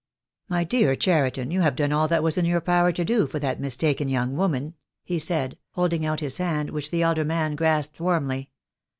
"My dear Cheriton, you have done all that was in your power to do for that mistaken young woman," he said, holding out his hand, which the elder man grasped warmly.